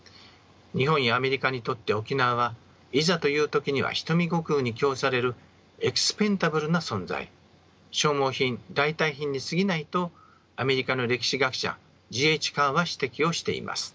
日本やアメリカにとって沖縄はいざという時には人身御供に供されるＥｘｐｅｎｄａｂｌｅな存在消耗品代替品にすぎないとアメリカの歴史学者Ｇ・Ｈ・カーは指摘をしています。